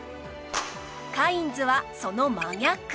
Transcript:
カインズはその真逆